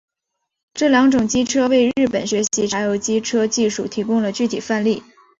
这两种机车为日本学习柴油机车技术提供了具体范例。